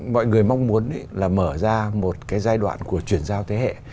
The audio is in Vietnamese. mọi người mong muốn là mở ra một cái giai đoạn của chuyển giao thế hệ